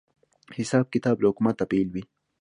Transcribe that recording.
حساب کتاب له حکومته بېل وي